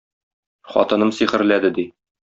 Хатыным сихерләде, ди.